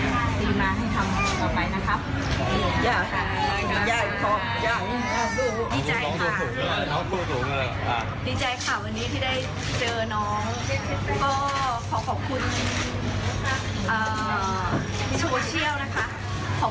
ก็ขอบคุณพี่พีชนักข่าวทุกท่านค่ะที่วันนี้ได้ให้ที่ได้ให้คุณแม่ได้มีโอกาสได้ขอบคุณน้องอย่างที่ตั้งใจไว้นะคะ